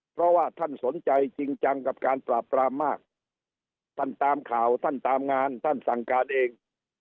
เพราะว่าท่านสนใจจริงจังกับการปราบปรามมากท่านตามข่าวท่านตามงานท่านสั่งการเอง